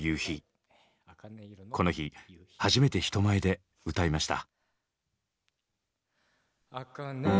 この日初めて人前で歌いました。